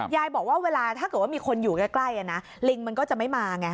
ยายบอกว่าเวลาถ้าเกิดว่ามีคนอยู่ใกล้ลิงมันก็จะไม่มาไง